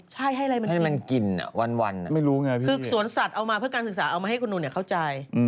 ใช่ให้มันกินวันน่ะคือสวนสัตว์เอามาเพื่อการศึกษาเอามาให้คุณหนุ่นเข้าใจ